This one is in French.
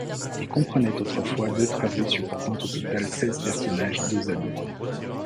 Il comprenait autrefois deux travées supportant au total seize personnages, dos à dos.